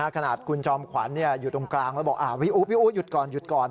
ขนาดคุณจอมขวัญอยู่ตรงกลางแล้วบอกอ่าพี่อู๋หยุดก่อน